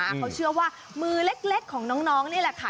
เขาเชื่อว่ามือเล็กของน้องนี่แหละค่ะ